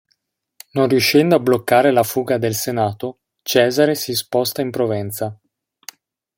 Non riuscendo a bloccare la fuga del Senato, Cesare si sposta in Provenza.